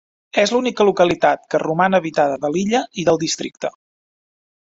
És l'única localitat que roman habitada de l'illa i del districte.